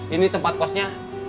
ini tempat kosnya